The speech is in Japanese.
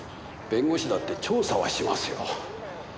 弁護士だって調査はしますよ。